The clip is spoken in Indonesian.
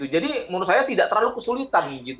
jadi menurut saya tidak terlalu kesulitan